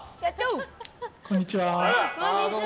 こんにちは。